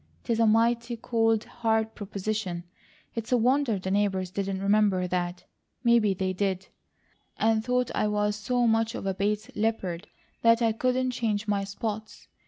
It's a mighty cold, hard proposition. It's a wonder the neighbours didn't remember that. Maybe they did, and thought I was so much of a Bates leopard that I couldn't change my spots.